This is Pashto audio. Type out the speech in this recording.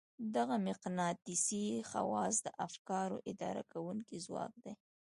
دغه مقناطيسي خواص د افکارو اداره کوونکی ځواک دی.